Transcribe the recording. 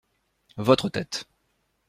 Votre tête.